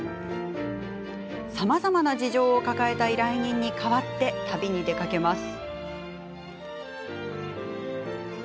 さまざまな事情を抱えた依頼人に代わって旅に出かけます。